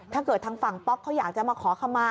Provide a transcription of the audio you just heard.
ถ้าเกิดทางฝั่งป๊อกเขาอยากจะมาขอขมา